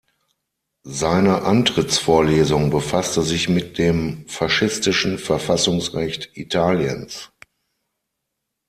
Seine Antrittsvorlesung befasste sich mit dem faschistischen Verfassungsrecht Italiens.